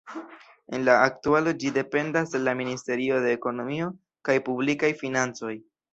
En la aktualo ĝi dependas el la Ministerio de Ekonomio kaj Publikaj Financoj.